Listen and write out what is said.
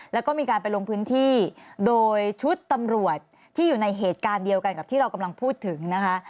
แล้วก็มีการไปลงพื้นที่โดยชุดตำรวจที่อยู่ในเหตุการณ์เดียวกันกับที่เรากำลังพูดถึงนะคะ